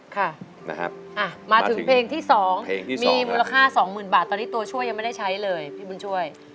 ค่ะนะครับมาถึงเพลงที่๒มีมูลค่า๒๐๐๐บาทตอนนี้ตัวช่วยยังไม่ได้ใช้เลยพี่บุญช่วย